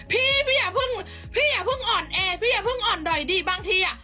พี่พี่อย่าเพิ่งอ่อนแอพี่อย่าเพิ่งอ่อนด่อยดีบางทีอะ